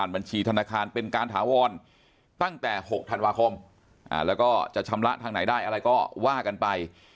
บัญชีธนาคารเป็นการถาวรตั้งแต่๖ธันวาคมแล้วก็จะชำระทางไหนได้อะไรก็ว่ากันไป